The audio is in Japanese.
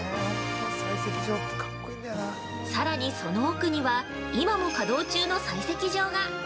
さらに、その奥には、今も稼働中の採石場が。